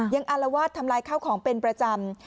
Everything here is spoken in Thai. อารวาสทำลายข้าวของเป็นประจำ